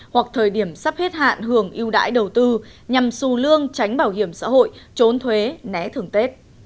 hoặc thời điểm sắp hết hạn hưởng yêu đãi đầu tư nhằm sù lương tránh bảo hiểm xã hội trốn thuế né thường tết